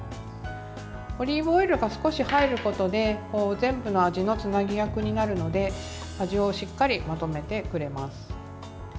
オリーブオイルが少し入ることで全部の味のつなぎ役になるので味をしっかりまとめてくれます。